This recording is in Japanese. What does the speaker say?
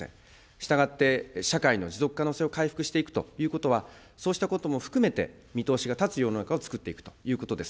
したがって、社会の持続可能性を回復していくということは、そうしたことも含めて、見通しが立つ世の中をつくっていくということです。